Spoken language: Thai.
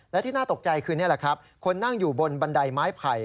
และที่น่าตกใจคือนี่แหละครับคนนั่งอยู่บนบันไดไม้ไผ่